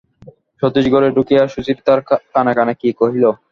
সতীশ ঘরে ঢুকিয়া সুচরিতার কানে কানে কী কহিল।